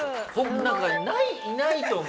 ないいないと思う。